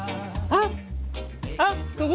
あっ！